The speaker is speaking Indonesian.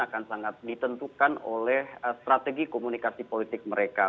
akan sangat ditentukan oleh strategi komunikasi politik mereka